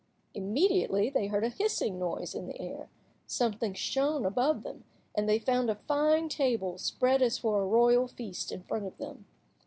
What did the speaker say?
Immediately they heard a hissing noise in the air, something shone above them, and they found a fine table, spread as for a royal feast in front of them.